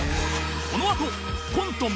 このあとコント「元カノ」